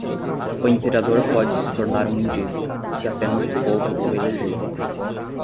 O imperador pode se tornar um mendigo, se apenas o povo o eleger.